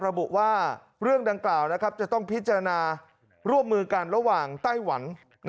ระบุว่าเรื่องดังกล่าวจะต้องพิจารณาร่วมมือกันระหว่างไต้หวัน